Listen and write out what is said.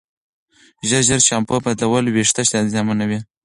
ژر ژر شامپو بدلول وېښتې زیانمنوي.